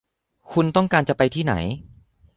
คุณต้องการจะไปที่ไหน